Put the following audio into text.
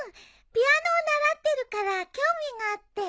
ピアノを習ってるから興味があって。